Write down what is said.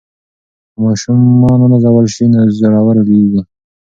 که ماشومان ونازول سي نو زړور لویېږي.